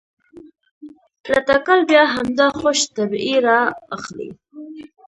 له تکل بیا همدا خوش طبعي رااخلي.